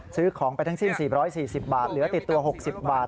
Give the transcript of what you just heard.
ซื้อของไปทั้งสิ้น๔๔๐บาทเหลือติดตัว๖๐บาท